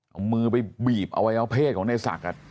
เอามือไปบีบเอาไว้เอาเพศของในศักดิ์อ่ะ